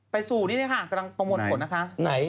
ไปสู่นี่นะครับกำลังประมวลผลนะครับ